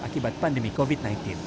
akibat pandemi covid sembilan belas